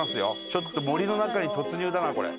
ちょっと森の中に突入だなこれ。